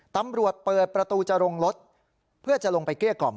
ตำรวจเปิดประตูจะลงรถเพื่อจะลงไปเกลี้ยกล่อม